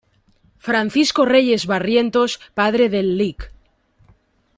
Francisco Reyes Barrientos padre del Lic.